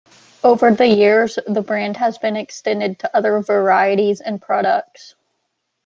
Over the years, the brand has been extended to other varieties and products.